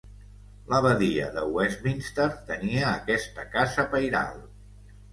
L'abadia de Westminster tenia aquesta casa pairal.